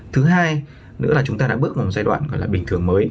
thứ hai nữa là chúng ta đã bước vào một giai đoạn bình thường mới